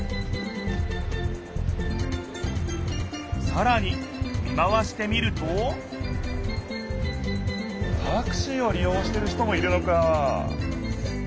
さらに見回してみるとタクシーをり用してる人もいるのか。